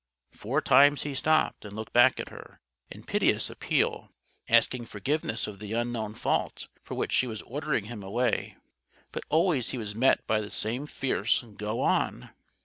Four times he stopped and looked back at her, in piteous appeal, asking forgiveness of the unknown fault for which she was ordering him away; but always he was met by the same fierce "Go _on!